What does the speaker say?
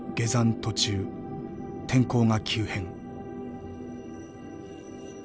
途中天候が急変。